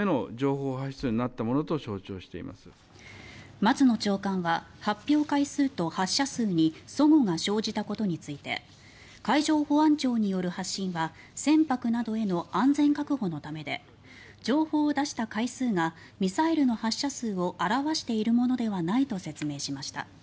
松野長官は発表回数と発射数に齟齬が生じたことについて海上保安庁による発信は船舶などへの安全確保のためで情報を出した回数がミサイルの発射数を表しているものではないと説明しました。